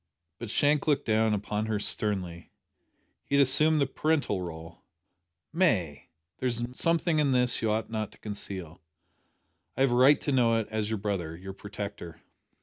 But Shank looked down upon her sternly. He had assumed the parental role. "May, there is something in this that you ought not to conceal. I have a right to know it, as your brother your protector."